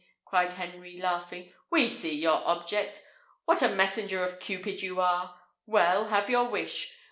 cried Henry, laughing. "We see your object! What a messenger of Cupid are you! Well, have your wish.